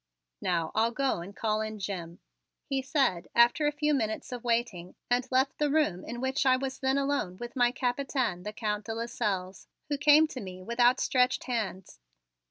"Now, I'll go and call in Jim," he said after a few minutes of waiting, and left the room in which I was then alone with my Capitaine, the Count de Lasselles, who came to me with outstretched hands.